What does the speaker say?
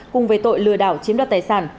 cùng với tội lừa đảo chiếm đoạt tài sản